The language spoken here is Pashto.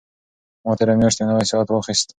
ما تېره میاشت یو نوی ساعت واخیست.